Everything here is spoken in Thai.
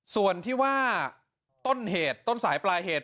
ส่วนที่ว่าต้นเหตุต้นสายปลายเหตุ